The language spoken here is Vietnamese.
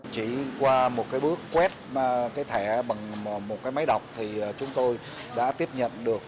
chỉ qua một cái bước quét cái thẻ bằng một cái máy đọc thì chúng tôi đã tiếp nhận được